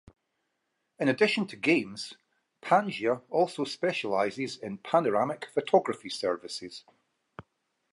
In addition to games, Pangea also specializes in panoramic photography services.